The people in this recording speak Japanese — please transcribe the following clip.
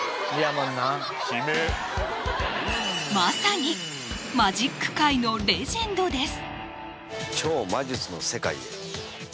もう悲鳴まさにマジック界のレジェンドです